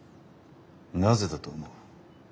なぜだと思う？